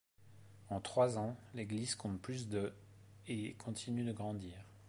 En trois ans, l'église compte plus de et continue de grandir.